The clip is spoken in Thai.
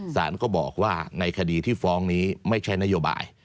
สารก็บอกว่าในคดีที่ฟ้องนี้ไม่ใช่นโยบาย